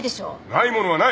ないものはない。